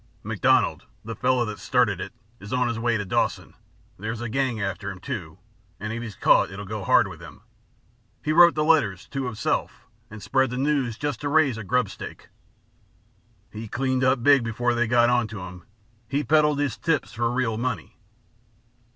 "MacDonald, the fellow that started it, is on his way to Dawson. There's a gang after him, too, and if he's caught it'll go hard with him. He wrote the letters to himself and spread the news just to raise a grubstake. He cleaned up big before they got onto him. He peddled his tips for real money."